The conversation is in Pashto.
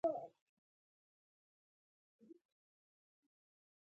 پوهه د رڼا سرچینه ده.